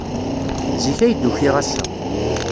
Zik ay d-ukiɣ ass-a.